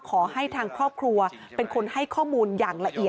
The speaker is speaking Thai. ขอให้ทางครอบครัวเป็นคนให้ข้อมูลอย่างละเอียด